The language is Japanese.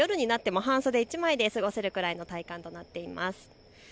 きょうも夜になっても半袖１枚で過ごせるぐらいの体感になっています。